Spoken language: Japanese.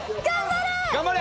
頑張れ！